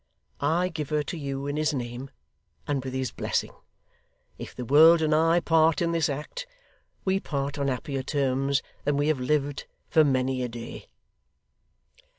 I give her to you in his name, and with his blessing. If the world and I part in this act, we part on happier terms than we have lived for many a day.